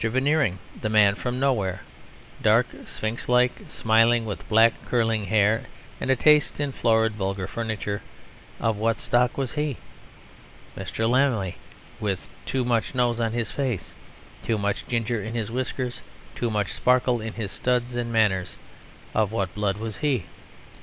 Veneering, the Man from Nowhere, dark, sphinx like, smiling, with black curling hair, and a taste in florid vulgar furniture of what stock was he? Mr. Lammle, with "too much nose in his face, too much ginger in his whiskers, too much sparkle in his studs and manners" of what blood was he?